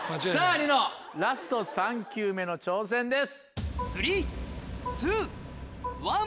ニノラスト３球目の挑戦です。